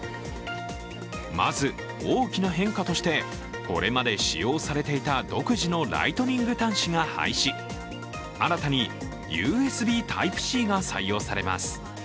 まず大きな変化として、これまで使用されていた独自のライトニング端子が廃止新たにＵＳＢＴｙｐｅ−Ｃが採用されます。